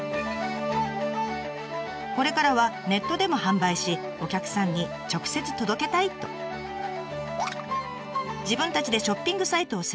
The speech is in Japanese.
これからはネットでも販売しお客さんに直接届けたいと自分たちでショッピングサイトを制作。